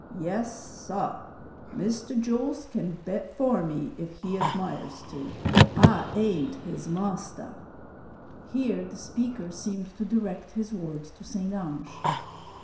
Yes, saw; Mr. Jools can bet for me if he admires to; I ain't his mostah." Here the speaker seemed to direct his words to St. Ange.